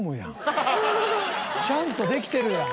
ちゃんとできてるやん。